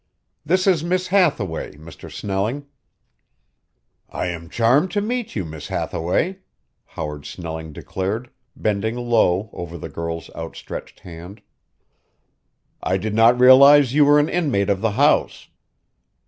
"This is Miss Hathaway, Mr. Snelling." "I am charmed to meet you, Miss Hathaway," Howard Snelling declared, bending low over the girl's outstretched hand. "I did not realize you were an inmate of the house."